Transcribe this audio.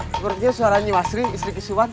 sepertinya suara nyi warsi istri kisupan